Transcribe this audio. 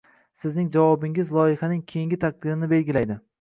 Sizning javobingiz loyihaning keyingi taqdirini belgilaydi.